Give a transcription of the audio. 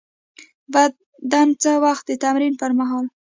بدن څه وخت د تمرین پر مهال